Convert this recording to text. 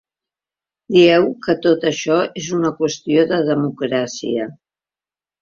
Dieu que tot això és una qüestió de democràcia.